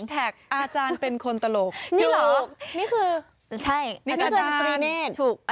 แฮชแท็กอาจารย์เป็นคนตลก